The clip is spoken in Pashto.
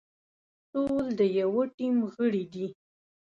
ټول د يوه ټيم غړي دي.